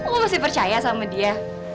gue masih percaya sama dia